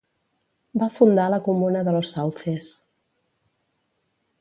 Va fundar la comuna de Los Sauces.